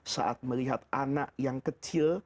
saat melihat anak yang kecil